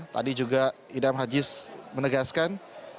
tadi juga idam aziz menegaskan